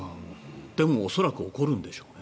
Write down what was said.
でも、恐らく起こるんでしょうね。